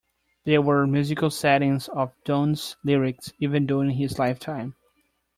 There were musical settings of Donne's lyrics even during his lifetime.